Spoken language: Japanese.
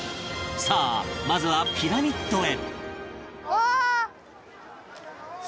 さあまずはピラミッドへ